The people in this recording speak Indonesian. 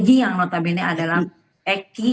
egi yang notabene adalah putra polisi